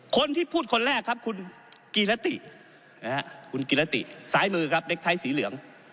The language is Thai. คนที่พูดคนแรกครับคุณกิรติคุณกิรติซ้ายมือครับเด็กไทยสีเหลือง